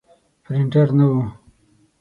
پرنټر نه و.